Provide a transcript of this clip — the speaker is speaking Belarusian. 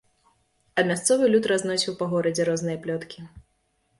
А мясцовы люд разносіў па горадзе розныя плёткі.